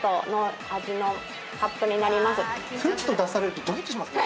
フッと出されるとドキッとしますね。